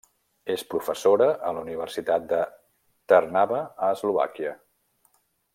És professora a la Universitat de Trnava a Eslovàquia.